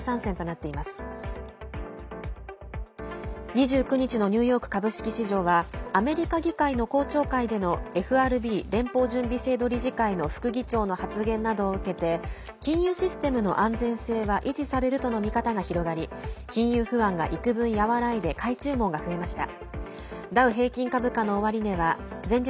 ２９日のニューヨーク株式市場はアメリカ議会の公聴会でのＦＲＢ＝連邦準備制度理事会の副議長の発言などを受けて金融システムの安全性は維持されるとの見方が広がり金融不安がいくぶん和らいで買い注文が増えました。